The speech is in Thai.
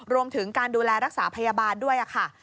รวมถึงการดูแลรักษาพยาบาลด้วยค่ะ